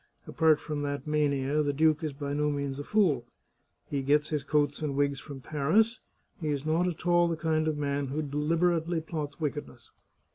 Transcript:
Apart from that mania the duke is by no means a fool. He gets his coats and wigs from Paris ; he is not at all the kind of man who deliberately plots wickedness.